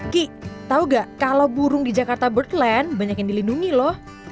ki tau gak kalau burung di jakarta birdland banyak yang dilindungi lho